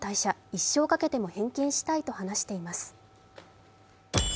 一生かけても返金したいとコメントしています。